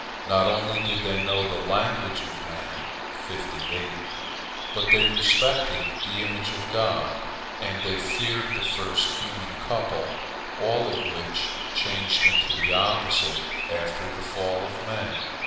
Not only did they know the language of man, but they respected the image of God, and they feared the first human couple, all of which changed into the opposite after the fall of man.